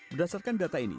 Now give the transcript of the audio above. berdasarkan data ini